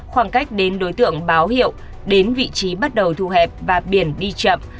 khoảng cách đến đối tượng báo hiệu đến vị trí bắt đầu thu hẹp và biển đi chậm